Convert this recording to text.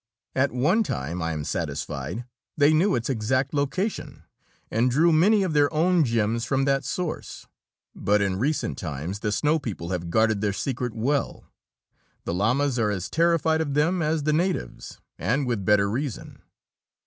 At one time, I am satisfied, they knew its exact location and drew many of their own gems from that source. But in recent times the snow people have guarded their secret well. The Lamas are as terrified of them as the natives and with better reason!"